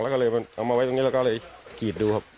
แล้วก็เลยเอามาไว้ตรงนี้แล้วก็เลยกรีดดูครับ